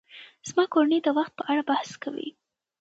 زما کورنۍ د وخت په اړه بحث کوي.